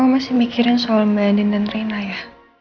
kok masih mikirin soal mbak adin dan rena ya